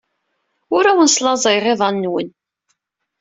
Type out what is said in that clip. Ur awen-slaẓayeɣ iḍan-nwen.